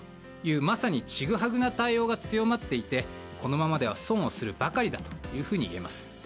まさにちぐはぐな対応が強まっていてこのままでは損をするばかりだといえます。